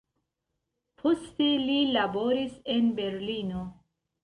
Poste li laboris en Berlino.